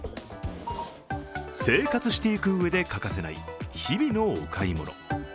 生活していくうえで欠かせない日々のお買い物。